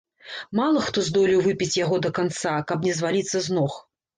Мала хто здолеў выпіць яго да канца, каб не зваліцца з ног.